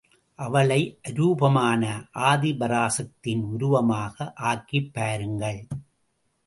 அவளை, அரூபமான ஆதிபராசக்தியின் உருவமாக ஆக்கிப் பாருங்கள்.